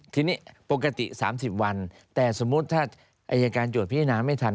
ทีนี้ปกติ๓๐วันแต่สมมุติถ้าอายการโจทย์พิจารณาไม่ทัน